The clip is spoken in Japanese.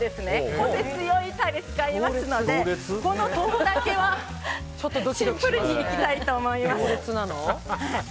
癖が強いタレを使いますので豆腐だけはシンプルにいきたいと思います。